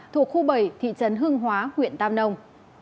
thuộc khu bảy thị trấn hương hóa huyện tam nông